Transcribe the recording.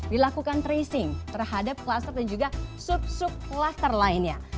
dilakukan tracing terhadap cluster dan juga sub sub cluster lainnya